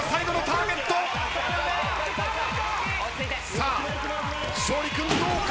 さあ勝利君どうか！？